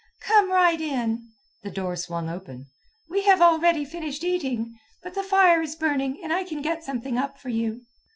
"Come right in." The door swung open. "We have already finished eating, but the fire is burning and I can get something up for you."